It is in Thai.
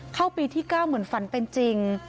เข้าปีที่๙เหมือนฝันเป็นจริง